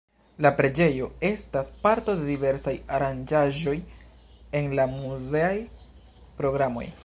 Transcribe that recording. La preĝejo estas parto de diversaj aranĝaĵoj en la muzeaj programoj.